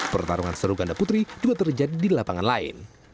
pertarungan seru ganda putri juga terjadi di lapangan lain